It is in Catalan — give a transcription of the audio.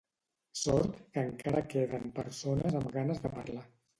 Sort que encara queden persones amb ganes de parlar